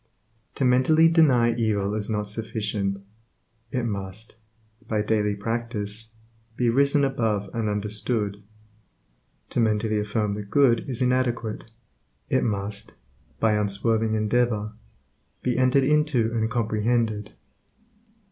To mentally deny evil is not sufficient; it must, by daily practice, be risen above and understood. To mentally affirm the good is inadequate; it must, by unswerving endeavor, be entered into and comprehended.